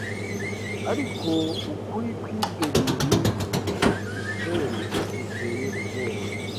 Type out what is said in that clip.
ariko ukuri kw’ibyo bintu(enferi) guteye ubwoba